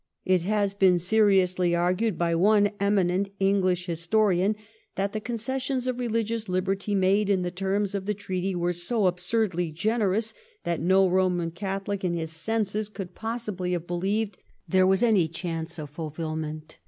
It has been seriously argued by one eminent English historian that the concessions of religious liberty made in the terms of the treaty were so absurdly generous that no'Eoman Catholic in his senses could possibly have believed there was any chance of their fulfilment.